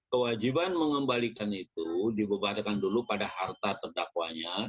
kewajiban mengembalikan itu dibebankan dulu pada harta terdakwanya